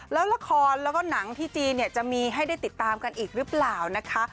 แล้วละครแล้วก็หนังที่จีนเนี่ยจะมีให้ได้ติดตามกันอีกหรือเปล่านะคะ